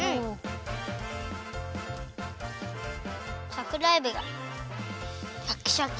さくらえびがシャキシャキ。